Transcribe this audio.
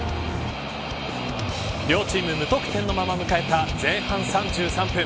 両チーム無得点のまま迎えた前半３３分。